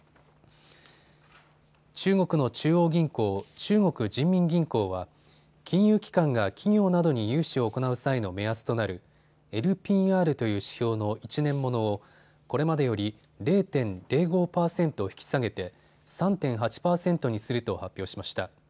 中国の中央銀行、中国人民銀行は金融機関が企業などに融資を行う際の目安となるＬＰＲという指標の１年ものをこれまでより０．０５％引き下げて３．８％にすると発表しました。